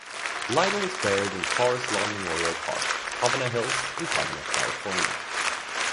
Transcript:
Lidle is buried in Forest Lawn Memorial Park - Covina Hills, in Covina, California.